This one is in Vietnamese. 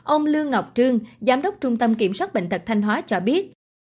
ông lương ngọc trương giám đốc trung tâm kiểm soát bệnh tật thanh hóa cho biết